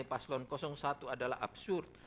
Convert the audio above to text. paslon satu adalah absurd